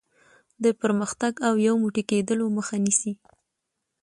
د پرمختګ او یو موټی کېدلو مخه نیسي.